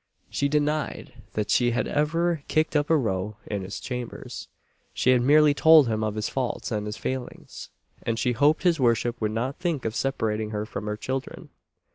She denied that she had ever "kicked up a row" in his chambers she had merely told him of his faults and his failings; and she hoped his worship would not think of separating her from her children.